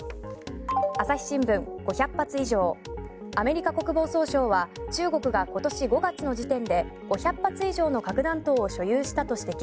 朝日新聞、５００発以上アメリカ国防総省は中国が今年５月の時点で５００発以上の核弾頭を所有したと指摘。